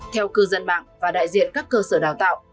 theo cư dân mạng và đại diện các cơ sở đào tạo